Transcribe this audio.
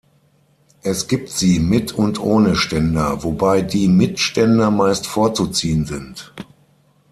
Es gibt sie mit und ohne Ständer, wobei die mit Ständer meist vorzuziehen sind.